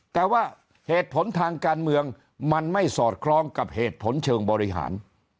แต่ว่าเหตุผลทางการเมืองมันไม่สอดคล้องกับเหตุผลเชิงบริหาร